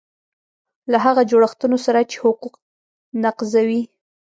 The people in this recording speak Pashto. له هغو جوړښتونو سره چې حقوق نقضوي.